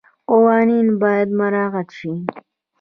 قوانین باید مراعات شي.